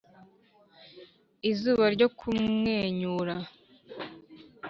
izuba ryo kumwenyura,